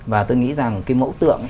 và tôi nghĩ rằng cái mẫu tượng